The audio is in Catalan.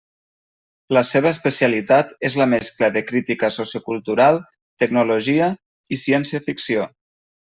La seva especialitat és la mescla de crítica sociocultural, tecnologia i ciència-ficció.